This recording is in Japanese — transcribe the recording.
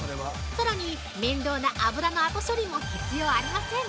さらに、面倒な油の後処理も必要ありません！